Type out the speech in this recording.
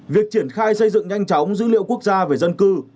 việc triển khai xây dựng nhanh chóng dữ liệu quốc gia về dân cư